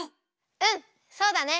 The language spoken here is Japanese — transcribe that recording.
うんそうだね！